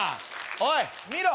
おい見ろ